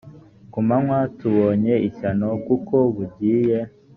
ku manywa tubonye ishyano kuko bugiye